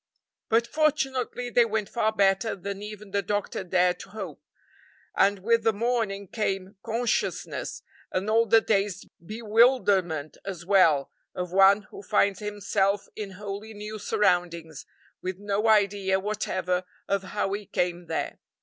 But fortunately they went far better than even the doctor dared to hope, and with the morning came consciousness, and all the dazed bewilderment as well, of one who finds himself in wholly new surroundings, with no idea whatever of how he came there.